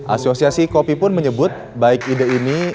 asosiasi kopi pun menyebut baik ide ini